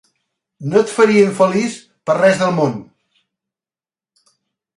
No et faria infeliç per res del món!